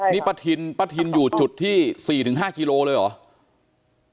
นี่ป้าทินป้าทินอยู่จุดที่๔๕กิโลเลยเหรอ